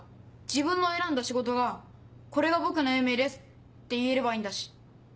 自分の選んだ仕事が「これが僕の夢です」って言えればいいんだし。